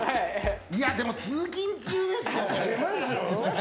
でも通勤中ですよ。